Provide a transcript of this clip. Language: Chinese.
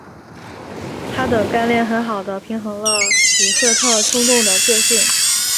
她的干练很好地平衡了里赫特冲动的个性。